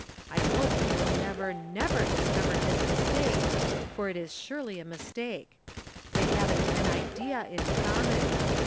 I hope he wiU never, never discover his mistake, for it is stirely a mistake. They haven't an idea in common.